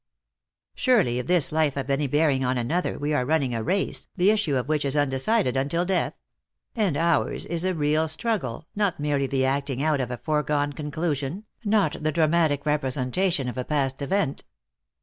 Surely, if this life have any bearing on another, we are running a race, the issue of which is undecided until death ; and ours is a real struggle, not merely the acting out of a foregone conclusion, not the dramatic representation of a past event.